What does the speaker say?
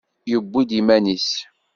Yewwi-d iman-is.